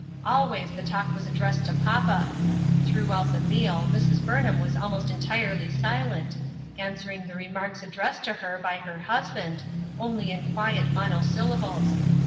Always the talk was addressed to papa. Throughout the meal Mrs. Burnham was almost entirely silent, answering the remarks addressed to her, by her husband, only in quiet monosylla bles.